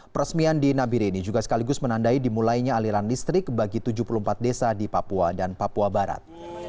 peresmian di nabire ini juga sekaligus menandai dimulainya aliran listrik bagi tujuh puluh empat desa di papua dan papua barat